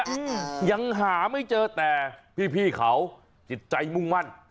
อืมยังหาไม่เจอแต่พี่พี่เขาจิตใจมุ่งมั่น